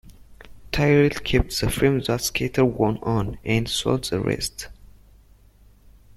Tyrrell kept the frame that Scheckter won on, and sold the rest.